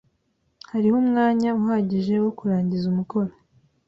Hariho umwanya uhagije wo kurangiza umukoro.